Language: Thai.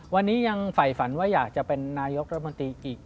วันนี้ยังใหญ่ฝันว่าอยากจะเป็นนายกรบรมตี